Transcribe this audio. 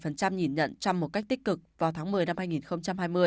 ba mươi bảy nhìn nhận trump một cách tích cực vào tháng một mươi năm hai nghìn hai mươi